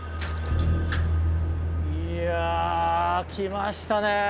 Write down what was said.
いや来ましたね。